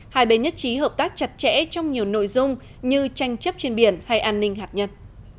hai bên nhất trí hợp tác chặt chẽ trong nhiều nội dung như tranh chấp trên biển hay an ninh hạt nhân